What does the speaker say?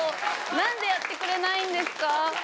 何でやってくれないんですか？